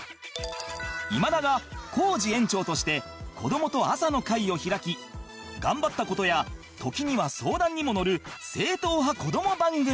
今田がコージ園長として子どもと朝の会を開き頑張った事や時には相談にものる正統派子ども番組